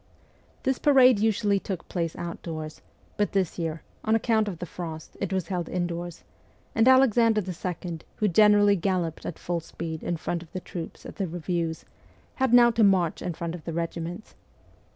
This parade usually took place outdoors, but this year, on account of the frost, it was held indoors, and Alexander II., who generally galloped at full speed in front of the troops at the reviews, had now to march in front of the regiments.